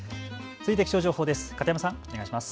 続いて気象情報です。